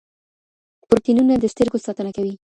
پروټینونه د سترګو ساتنه کوي.